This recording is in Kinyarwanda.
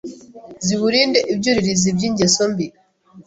ziwurinde ibyuririzi by’ingeso mbi